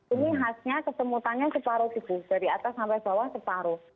ini khasnya kesemutannya separuh tubuh dari atas sampai bawah separuh